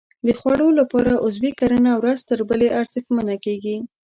د خوړو لپاره عضوي کرنه ورځ تر بلې ارزښتمنه کېږي.